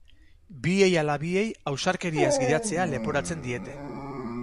Biei ala biei ausarkeriaz gidatzea leporatzen diete.